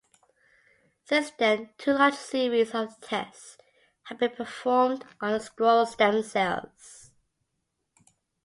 Since then two large series of tests have been performed on the scrolls themselves.